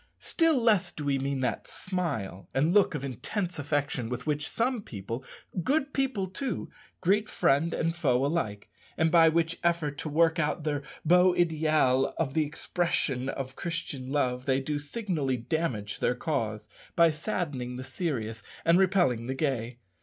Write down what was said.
Still less do we mean that smile and look of intense affection with which some people good people too greet friend and foe alike, and by which effort to work out their beau ideal of the expression of Christian love they do signally damage their cause, by saddening the serious and repelling the gay.